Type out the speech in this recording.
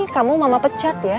kamu mama pecat ya